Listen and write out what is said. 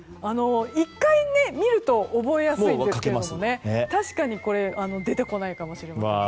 １回見ると覚えやすいですけど確かに出てこないかもしれませんね。